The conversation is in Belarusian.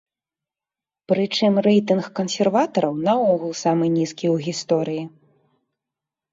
Прычым рэйтынг кансерватараў наогул самы нізкі ў гісторыі.